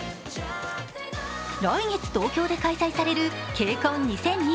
来月、東京で開催されるＫＣＯＮ２０２２